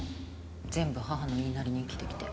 全部母の言いなりに生きてきて。